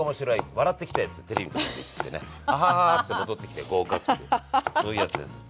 笑ってきて」っつってテレビの所行ってね「ハハハハ！」っつって戻ってきて合格っていうそういうやつです。